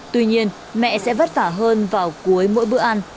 tuy nhiên mẹ sẽ vất vả hơn vào cuối mỗi bữa ăn